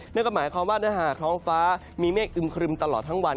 นั่นก็หมายความว่าถ้าหากท้องฟ้ามีเมฆอึมครึมตลอดทั้งวัน